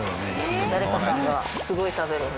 誰かさんがすごい食べるんで。